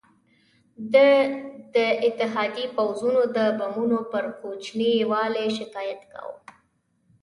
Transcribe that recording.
ده د اتحادي پوځونو د بمونو پر کوچني والي شکایت کاوه.